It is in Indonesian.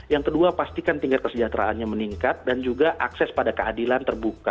yang kedua pastikan tingkat kesejahteraannya meningkat dan juga akses pada keadilan terbuka